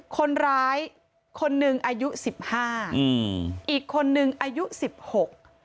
คนร้ายคนหนึ่งอายุสิบห้าอืมอีกคนนึงอายุสิบหก